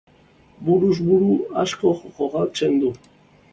Buruz buru asko jokatzen du.